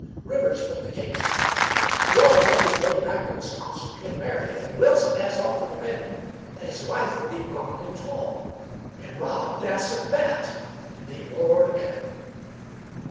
Rivers put the case. "Rob's on his way back to Wisconsin t' get married, and Wilson has offered to bet him that his wife will be a blonde and tall, and Rob dassent bet!" And they roared again.